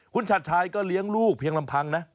คุณชัดชายก็เลี้ยงลูกเพียงลำพังนะ